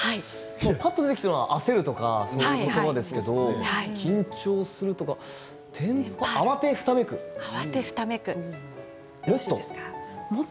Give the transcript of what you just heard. ぱっと出てきたのは焦るという言葉ですけど緊張するとか、慌てふためくもっと？